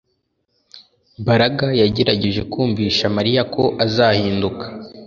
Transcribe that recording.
Mbaraga yagerageje kumvisha Mariya ko azahinduka